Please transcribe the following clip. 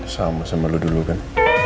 sama sama lu dulu kan